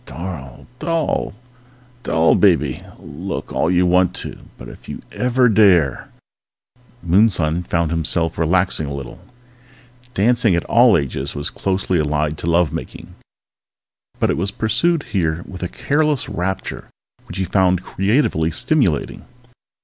_ _Darl, doll, doll baby! Look all you want to! But if you ever dare _ Moonson found himself relaxing a little. Dancing in all ages was closely allied to love making, but it was pursued here with a careless rapture which he found creatively stimulating.